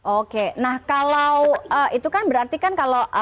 oke nah kalau itu kan berarti kan kalau